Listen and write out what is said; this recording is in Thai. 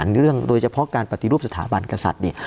เรื่องโดยเฉพาะการปฏิรูปสถาบันกษัตริย์เนี่ย